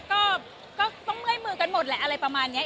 ก็ต้องเลื่อยมือกันหมดแหละอะไรประมาณนี้